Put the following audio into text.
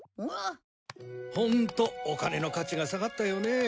ホントお金の価値が下がったよね。